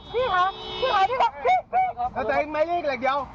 พี่เอาตั๋วเลยเพียงแกหน่อยขับด้วย